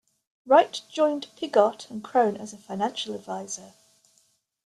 Wright joined Pygott and Crone as a financial advisor.